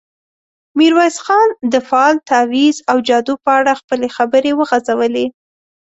ميرويس خان د فال، تاويذ او جادو په اړه خپلې خبرې وغځولې.